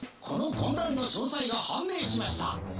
この混乱の詳細が判明しました。